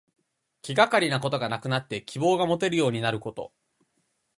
気がかりなことがなくなって希望がもてるようになること。